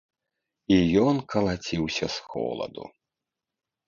І ён калаціўся з холаду.